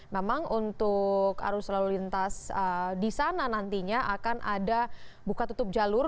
memang untuk arus lalu lintas di sana nantinya akan ada buka tutup jalur